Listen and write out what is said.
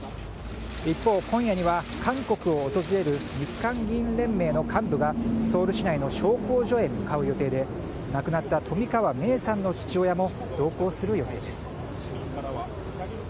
一方、今夜には韓国を訪れる日韓議員連盟の幹部がソウル市内の焼香所へ向かう予定で亡くなった冨川芽生さんの父親も同行する予定です。